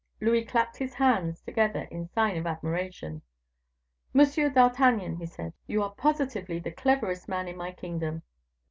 Louis clapped his hands together in sign of admiration. "Monsieur d'Artagnan," he said, "you are positively the cleverest man in my kingdom."